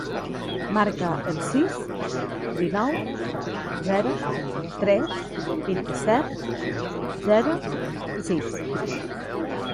Marca el sis, dinou, zero, tres, vint-i-set, zero, sis.